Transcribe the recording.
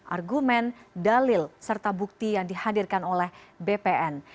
argumen dalil serta bukti yang dihadirkan oleh bpn